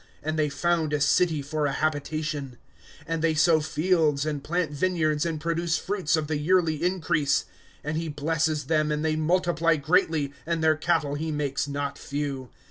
And they found a city for a habitation, ^■f And they sow fields, and plant vineyards. And produce fruits of the [yearly] increase. ^^ And he blesses them, .and they multiply greatly, And their cattle he makes not few.